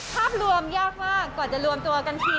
ภาพรวมยากมากกว่าจะรวมตัวกันที